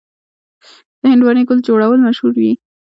د هندواڼې ګل جوړول مشهور دي.